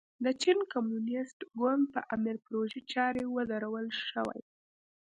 د چین کمونېست ګوند په امر پروژې چارې ودرول شوې.